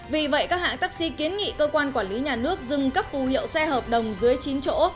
vì vậy các hãng taxi kiến nghị cơ quan quản lý nhà nước dừng cấp phù hiệu xe hợp đồng dưới chín chỗ